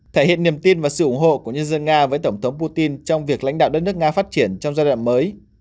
thể hiện niềm tin và sự ủng hộ của nhân dân nga với tổng thống putin trong việc lãnh đạo đất nước nga phát triển trong giai đoạn mới